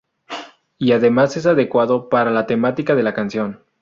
Y además es adecuado para la temática de la canción!